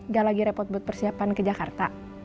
gak lagi repot buat persiapan ke jakarta